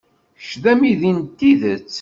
Kečč d amidi n tidet.